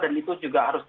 dan itu juga ada acara